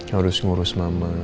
harus ngurus mama